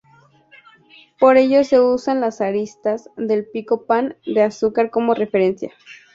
Por ello se usan las aristas del Pico Pan de Azúcar como referencia.